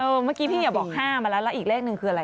เมื่อกี้พี่อย่าบอก๕มาแล้วแล้วอีกเลขหนึ่งคืออะไร